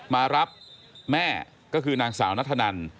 มารับแม่ก็คือนางสาวนัทธนัน